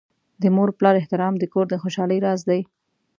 د مور پلار احترام د کور د خوشحالۍ راز دی.